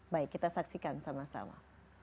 baik kita saksikan sama sama